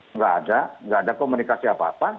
enggak ada enggak ada komunikasi apa apa